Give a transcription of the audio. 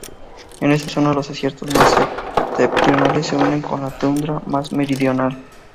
En esta zona los desiertos más septentrionales se unen con la tundra más meridional.